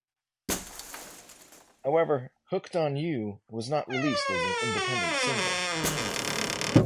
However, "Hooked on You" was not released as an independent single.